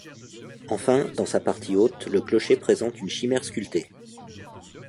Enfin, dans sa partie haute, le clocher présente une chimère sculptée.